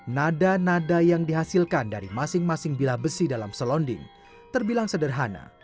nada nada yang dihasilkan dari masing masing bila besi dalam selonding terbilang sederhana